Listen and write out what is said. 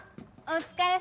お疲れ。